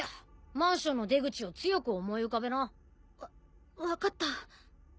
マンションの出口を強く思い浮かべな。わ分かった。